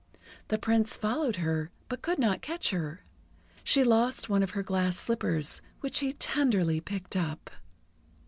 The Prince followed her, but could not catch her. She lost one of her glass slippers, which he tenderly picked up.